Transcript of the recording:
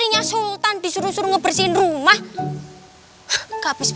iya tante aku kerja di boston